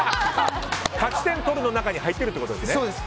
勝ち点取るの中に入ってるってことですね。